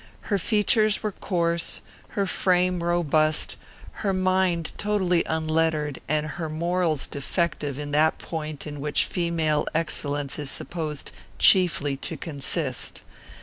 Her features were coarse, her frame robust, her mind totally unlettered, and her morals defective in that point in which female excellence is supposed chiefly to consist.